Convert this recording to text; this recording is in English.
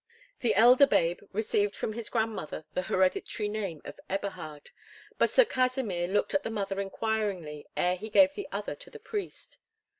The elder babe received from his grandmother the hereditary name of Eberhard, but Sir Kasimir looked at the mother inquiringly, ere he gave the other to the priest.